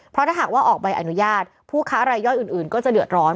เพราะถ้าหากว่าออกใบอนุญาตผู้ค้ารายย่อยอื่นก็จะเดือดร้อน